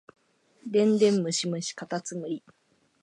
電電ムシムシかたつむり